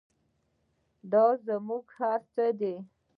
دا زموږ هر څه دی